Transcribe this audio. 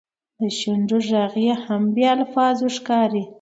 د شونډو ږغ هم بې الفاظو ښکاري.